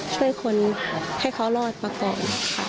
ช่วยคนให้เขารอดมาก่อน